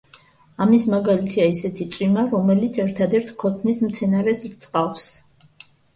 ამის მაგალითია ისეთი წვიმა, რომელიც ერთადერთ ქოთნის მცენარეს რწყავს.